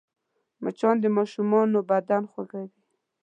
مچان د ماشومانو بدن خوږوي